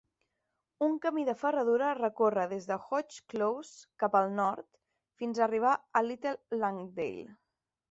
Un camí de ferradura recorre des d'Hodge Close cap al nord, fins a arribar a Little Langdale.